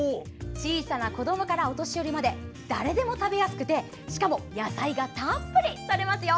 小さな子どもからお年寄りまで誰でも食べやすくてしかも野菜がたっぷりとれますよ。